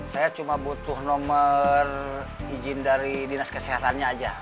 saya cuma butuh nomor izin dari dinas kesehatannya aja